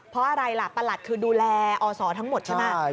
เพราะอะไรล่ะประหลัดคือดูแลอศทั้งหมดใช่ไหม